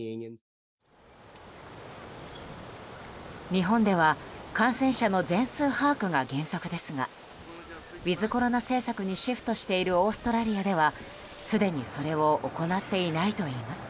日本では感染者の全数把握が原則ですがウィズコロナ政策にシフトしているオーストラリアではすでにそれを行っていないといいます。